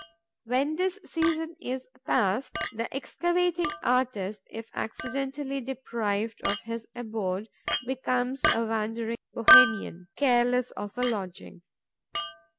When this season is past, the excavating artist, if accidentally deprived of his abode, becomes a wandering Bohemian, careless of a lodging.